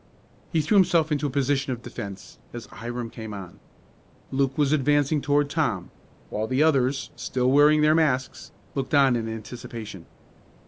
He threw himself into a position of defense as Hiram came on. Luke was advancing toward Tom, while the others, still wearing their masks, looked on in anticipation.